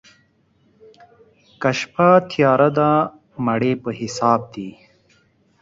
که شپه تياره ده، مڼې په حساب دي.